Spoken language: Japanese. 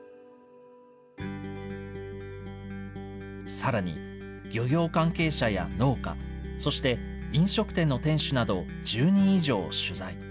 さらに、漁業関係者や農家、そして飲食店の店主など１０人以上取材。